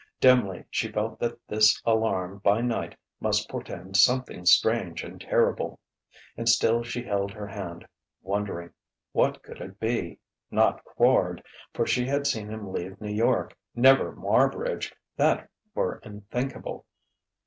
Dimly she felt that this alarm by night must portend something strange and terrible. And still she held her hand, wondering. Who could it be? Not Quard: for she had seen him leave New York. Never Marbridge: that were unthinkable!